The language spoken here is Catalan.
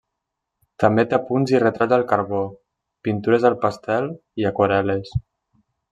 També té apunts i retrats al carbó, pintures al pastel i aquarel·les.